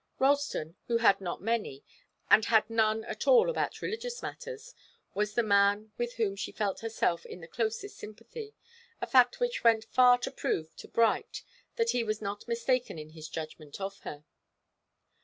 Ralston, who had not many, and had none at all about religious matters, was the man with whom she felt herself in the closest sympathy, a fact which went far to prove to Bright that he was not mistaken in his judgment of her.